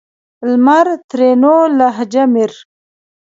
لمر؛ ترينو لهجه مير